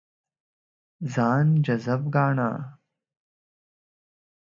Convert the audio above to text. ځان جذاب ګاڼه.